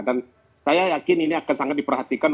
dan saya yakin ini akan sangat diperhatikan